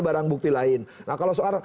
barang bukti lain nah kalau soal